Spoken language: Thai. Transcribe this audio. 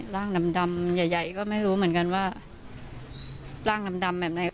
ร่างดำดำใหญ่ใหญ่ก็ไม่รู้เหมือนกันว่าร่างดำแบบไหน